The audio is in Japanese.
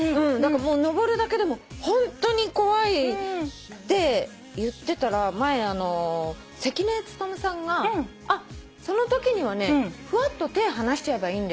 もう上るだけでもホントに怖いって言ってたら前関根勤さんがそのときにはねふわっと手離しちゃえばいいんだよって。